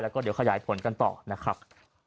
แล้วก็เดี๋ยวขยายผลกันต่อนะครับ